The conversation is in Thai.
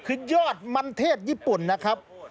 คือยอดมันเทศญี่ปุ่นนะครับ